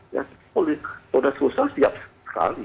ya sudah susah siap sekali